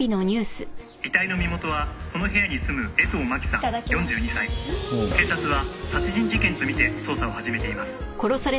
「遺体の身元はこの部屋に住む江藤真紀さん４２歳」「警察は殺人事件と見て捜査を始めています」